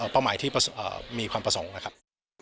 เป้าหมายที่มีความประสงค์นะครับ